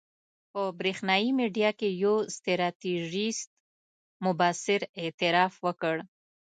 په برېښنایي میډیا کې یو ستراتیژیست مبصر اعتراف وکړ.